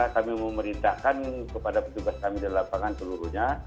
kami memerintahkan kepada petugas kami di lapangan seluruhnya